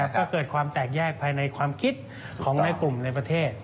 ก็เกิดความแตกแยกภายในความคิดของในกลุ่มในประเทศ